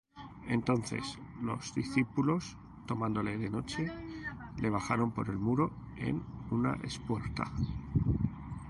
Entonces los discípulos, tomándole de noche, le bajaron por el muro en una espuerta.